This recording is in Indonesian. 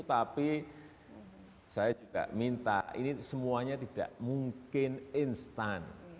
tapi saya juga minta ini semuanya tidak mungkin instan